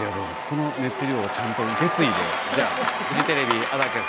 この熱量をちゃんと受け継いでじゃあフジテレビ安宅さんです。